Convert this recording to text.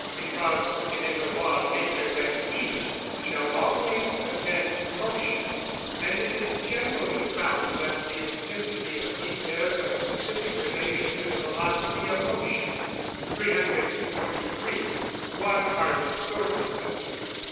_ Because it is a law of nature that heat shall always attend motion; and it is generally found that the intensity of heat bears a specific relation to the velocity of motion. 323. _What are the sources of heat?